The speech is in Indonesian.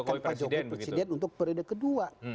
bukan pak jokowi presiden untuk periode kedua